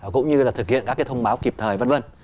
cũng như thực hiện các thông báo kịp thời